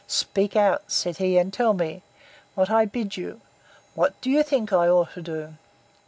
—Speak out, said he, and tell me, when I bid you, What you think I ought to do?